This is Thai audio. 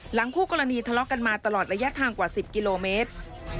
คู่กรณีทะเลาะกันมาตลอดระยะทางกว่า๑๐กิโลเมตร